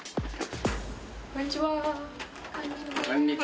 こんにちは！